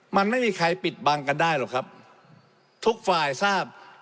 มันไม่มีใครปิดบังกันได้หรอกครับทุกฝ่ายทราบ